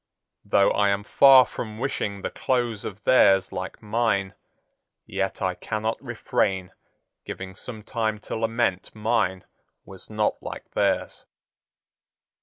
Though I am far from wishing the close of theirs like mine, yet I cannot refrain giving some time to lament mine was not like theirs."